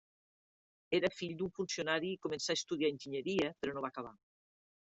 Era fill d'un funcionari i començà estudiar enginyeria, però no va acabar.